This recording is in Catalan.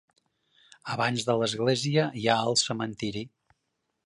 Abans de l'església hi ha el cementiri.